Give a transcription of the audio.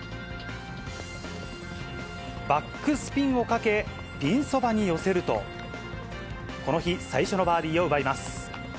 バックスピンをかけ、ピンそばに寄せると、この日最初のバーディーを奪います。